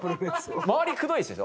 回りくどいでしょ。